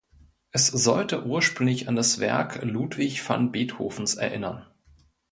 Es sollte ursprünglich an das Werk Ludwig van Beethovens erinnern.